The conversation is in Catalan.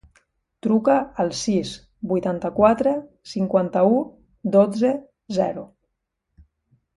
Truca al sis, vuitanta-quatre, cinquanta-u, dotze, zero.